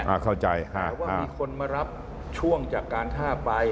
แต่ว่ามีคนมารับช่วงจากการท่าไป